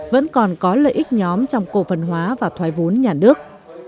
vẫn còn có lợi ích nhóm trong cổ phần hóa và thoái vốn nhà nước